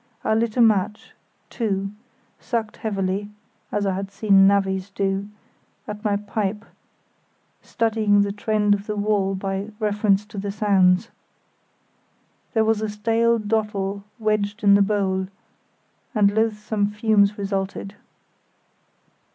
I lit a match—two—and sucked heavily (as I had seen navvies do) at my pipe, studying the trend of the wall by reference to the sounds. There was a stale dottle wedged in the bowl, and loathsome fumes resulted.